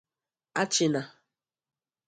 Achịna